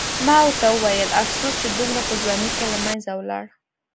ما ورته وویل: افسوس چې دومره په ځوانۍ کې له منځه ولاړ.